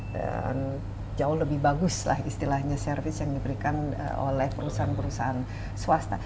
dan jauh lebih bagus lah istilahnya service yang diberikan oleh perusahaan perusahaan swasta